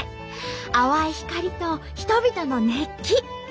淡い光と人々の熱気。